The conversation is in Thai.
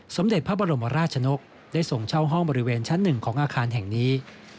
สมเด็จพระบรมราชนกได้ส่งเช่าห้องบริเวณชั้น๑ของอาคารแห่งนี้